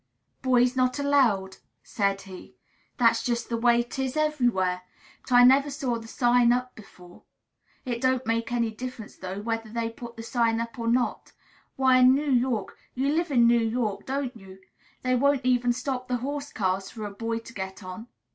"Boys not allowed!" said he. "That's just the way 'tis everywhere; but I never saw the sign up before. It don't make any difference, though, whether they put the sign up or not. Why, in New York (you live in New York, don't you?) they won't even stop the horse cars for a boy to get on.